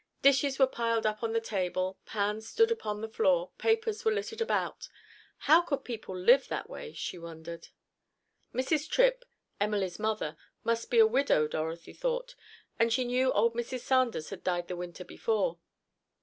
Dishes were piled up on the table, pans stood upon the floor, papers were littered about. How could people live that way? she wondered. Mrs. Tripp, Emily's mother, must be a widow, Dorothy thought, and she knew old Mrs. Sanders had died the Winter before.